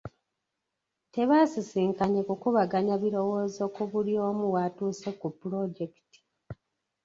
Tebaasisinkanye kukubaganya birowoozo ku buli omu waatuuse ku pulojekiti.